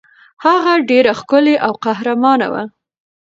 هغه ډېره ښکلې او قهرمانه وه.